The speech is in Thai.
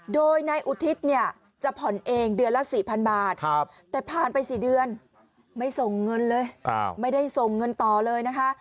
โดยนายอุทิศเนี่ยจะผ่อนเองเดือนละ๔๐๐บาทแต่ผ่านไป๔เดือนไม่ส่งเงินเลยไม่ได้ส่งเงินต่อเลยนะคะ